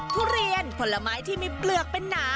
ทุเรียนผลไม้ที่มีเปลือกเป็นหนา